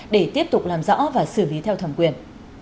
để tiếp tục làm rõ và xử lý theo thẩm quyền